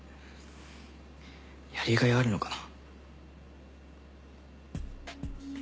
やりがいあるのかな。